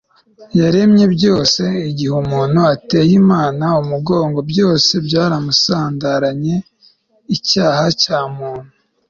yaremye byose. igihe muntu ateye imana umugongo, byose byaramusandaranye. icyaha cya muntu